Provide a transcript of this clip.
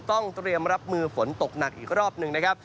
ต้องเตรียมรับมือฝนตกหนักอีกรอบหนึ่งนะครับ